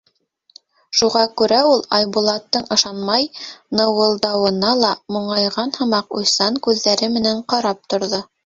Шуға күрә ул, Айбулаттың ышанмай ныуылдауына ла моңайған һымаҡ, уйсан күҙҙәре менән ҡарап торҙо.